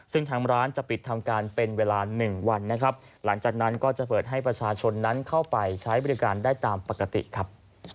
ซึ่งทางร้านจะปิดทำการเป็นเวลา๑วันนะครับหลังจากนั้นก็จะเปิดให้ประชาชนนั้นเข้าไปใช้บริการได้ตามปกติครับ